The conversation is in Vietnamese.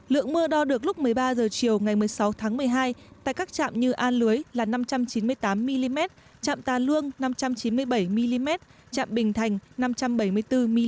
lượng mưa đo được lúc một mươi ba h chiều ngày một mươi sáu tháng một mươi hai tại các trạm như a lưới là năm trăm chín mươi tám mm trạm tà lương năm trăm chín mươi bảy mm chạm bình thành năm trăm bảy mươi bốn mm